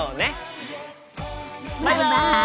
バイバイ！